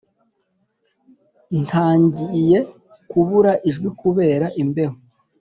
ntangiye kubura ijwi kubera imbeho